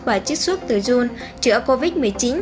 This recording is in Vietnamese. và chích xuất từ dung chữa covid một mươi chín